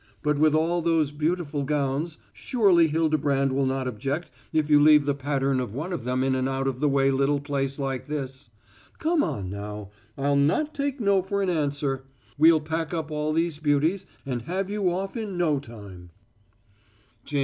But with all those beautiful gowns, surely Hildebrand will not object if you leave the pattern of one of them in an out of the way little place like this. Come on, now, I'll not take no for an answer. We'll pack up all these beauties and have you off in no time." [Illustration: Lady Crandall beamed upon Jane.